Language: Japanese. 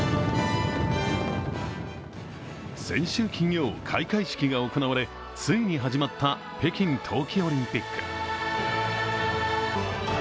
先週、金曜開会式が行われついに始まった北京冬季オリンピック。